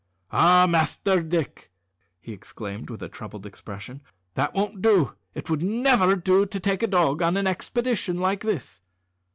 "Ah! Master Dick," he exclaimed with a troubled expression, "that won't do. It would never do to take a dog on an expedition like this."